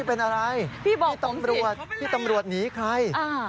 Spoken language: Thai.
พี่ตำรวจพี่ตำรวจหนีใคร